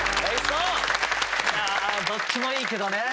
どっちもいいけどね。